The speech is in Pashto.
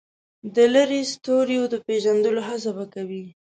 د لرې ستوریو د پېژندلو هڅه به کوي.